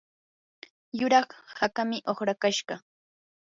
yuraq hakaami uqrakashqa.